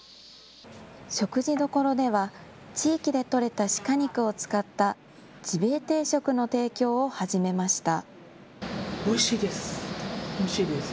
食事どころでは地域で取れた鹿肉を使ったジビエ定食の提供を始めました。